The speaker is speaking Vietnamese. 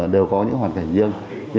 đều có những hoàn cảnh riêng